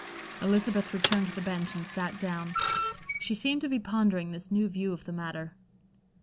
Elizabeth returned to the bench and sat down. She seemed to be pondering this new view of the matter.